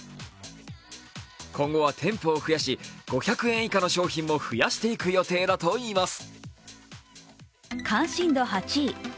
今後は店舗を増やし５００円以下の商品も増やしていく予定だといいます。